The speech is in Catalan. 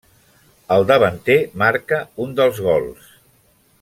El davanter marca un dels gols.